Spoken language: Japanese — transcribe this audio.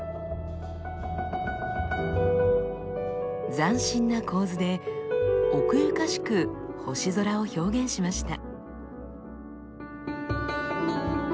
斬新な構図で奥ゆかしく星空を表現しました。